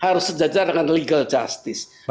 harus sejajar dengan legal justice